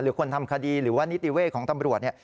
คนทำคดีหรือว่านิติเวศของตำรวจ